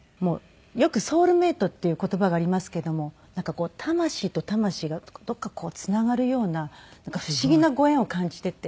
よくソウルメートっていう言葉がありますけどもなんかこう魂と魂がどこかつながるような不思議なご縁を感じていて。